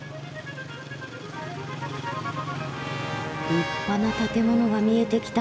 立派な建物が見えてきた。